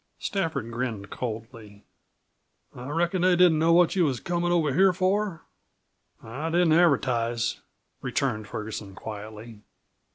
Stafford grinned coldly. "I reckon they didn't know what you was comin' over here for?" "I didn't advertise," returned Ferguson quietly.